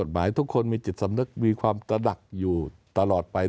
หมายความตระหนักอยู่ตลอดไป